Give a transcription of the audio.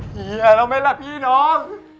เหี้ยเริ่มไหมล่ะพี่น้อง